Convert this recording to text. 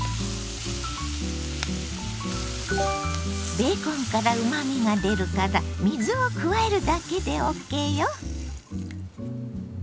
ベーコンからうまみが出るから水を加えるだけでＯＫよ。